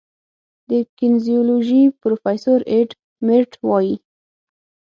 د کینیزیولوژي پروفیسور ایډ میرټ وايي